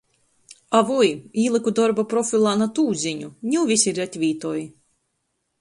A vui, īlyku dorba profilā na tū ziņu, niu vysi retvītoj.